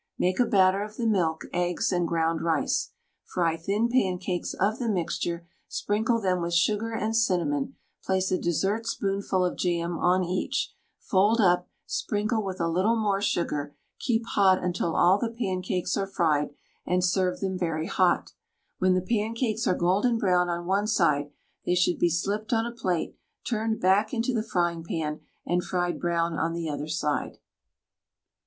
Make a batter of the milk, eggs, and ground rice. Fry thin pancakes of the mixture, sprinkle them with sugar and cinnamon, place a dessertspoonful of jam on each, fold up, sprinkle with a little more sugar; keep hot until all the pancakes are fried, and serve them very hot. When the pancakes are golden brown on one side, they should be slipped on a plate, turned back into the frying pan, and fried brown on the other side.